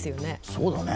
そうだね。